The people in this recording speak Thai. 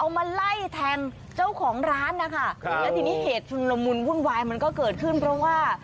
มาไล่แทงเจ้าของร้านนะคะครับแล้วทีนี้เหตุชุนละมุนวุ่นวายมันก็เกิดขึ้นเพราะว่า